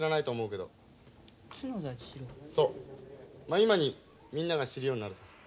今にみんなが知るようになるさ。